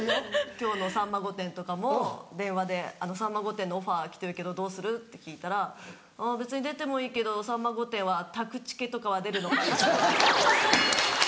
今日の『さんま御殿‼』とかも電話で「『さんま御殿‼』のオファー来てるけどどうする？」って聞いたら「別に出てもいいけど『さんま御殿‼』はタクチケとかは出るのかな？」。